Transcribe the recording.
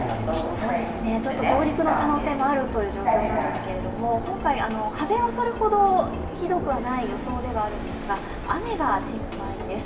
上陸の可能性もあるという状況ですが今回、風はそれほどひどくはない予想ではあるんですが、雨が心配です。